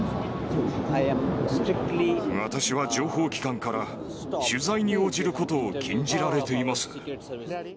私は情報機関から取材に応じることを禁じられています。